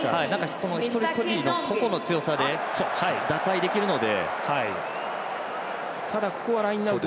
一人一人の個の強さで打開できるので。